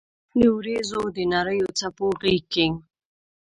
د اوریځو د نریو څپو غېږ کې